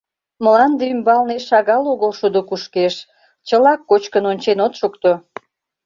— Мланде ӱмбалне шагал огыл шудо кушкеш, чылак кочкын ончен от шукто».